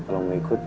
kalau mau ikut